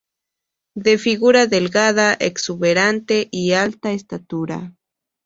De figura delgada, exuberante, y alta estatura.